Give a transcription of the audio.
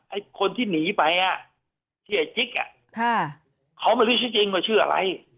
ไอ้คนที่หนีไปชื่อไอ้จิ๊กเขาไม่รู้ชื่อจริงว่าชื่ออะไร